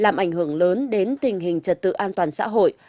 làm ảnh hưởng lớn đến tình hình trật tự an toàn xã hội